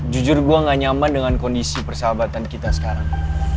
jujur gue gak nyaman dengan kondisi persahabatan kita sekarang